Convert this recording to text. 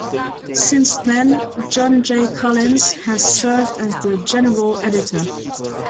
Since then John J. Collins has served as the General Editor.